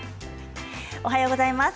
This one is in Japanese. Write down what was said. おはようございます。